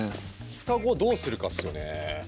双子をどうするかっすよね。